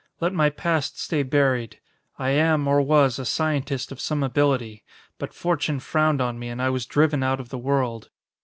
Let my past stay buried. I am, or was, a scientist of some ability; but fortune frowned on me, and I was driven out of the world.